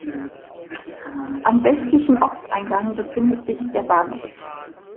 Am westlichen Ortseingang befindet sich der Bahnhof.